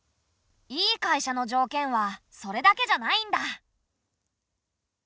いい会社の条件はそれだけじゃないんだ。